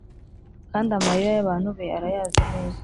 Kandi amarira y’abantu be arayazi neza